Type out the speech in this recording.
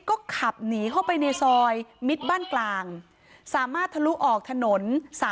ก็ขับหนีเข้าไปในซอยมิตรบ้านกลางสามารถทะลุออกถนน๓๐